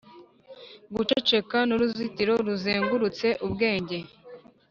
guceceka nuruzitiro ruzengurutse ubwenge